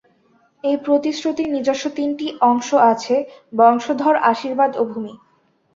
এই প্রতিশ্রুতির নিজস্ব তিনটি অংশ আছেঃ বংশধর, আশীর্বাদ ও ভূমি।